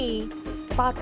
pakai beberapa item tadi